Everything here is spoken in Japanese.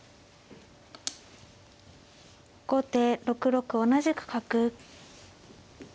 後手６六同じく角。